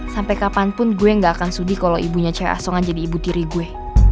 sampai kapanpun gue gak akan sudi kalo ibunya celia sok jadi ibu diri gue